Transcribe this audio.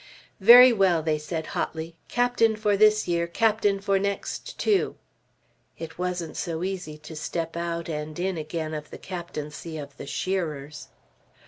"Very well!" they said hotly; "captain for this year, captain for next, too!" It wasn't so easy to step out and in again of the captaincy of the shearers!